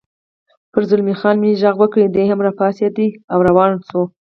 پر زلمی خان مې غږ وکړ، دی هم را پاڅېد او روان شو.